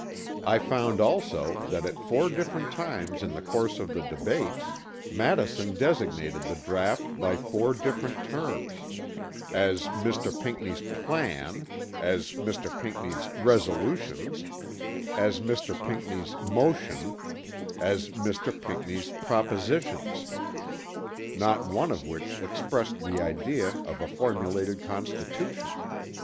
I found also that at four different times in the course of the debates Madison designated the draught by four different terms; as Mr. Pinckney's "plan" as Mr. Pinckney's "resolutions" as Mr. Pinckney's "motion" as Mr. Pinckney's "propositions," not one of which expressed the idea of a formulated Constitution.